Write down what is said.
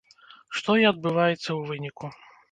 Што і адбываецца ў выніку.